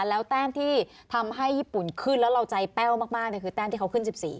แล้วแต้มที่ทำให้ญี่ปุ่นขึ้นแล้วเราใจแป้วมากคือแต้มที่เขาขึ้น๑๔